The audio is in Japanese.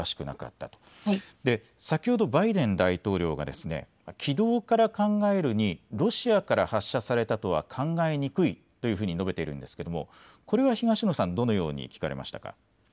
先ほどバイデン大統領が軌道から考えるにロシアから発射されたとは考えにくいと述べているんですけれども、これはどのように聞かれましたか。